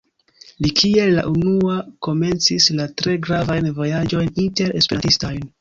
Li kiel la unua komencis la tre gravajn vojaĝojn inter-Esperantistajn.